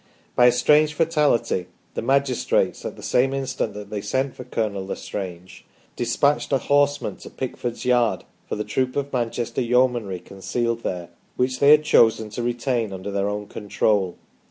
By a strange fatality the magistrates, at the same instant that they sent for Colonel L' Estrange, despatched a horseman to Pickford's yard for the troop of Manchester Yeomanry concealed there, which they had chosen to retain under their own control.